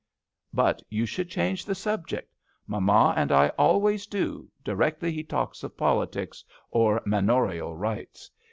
" But you should change the subject. Mamma and I always do, directly he talks of politics or manorial rights.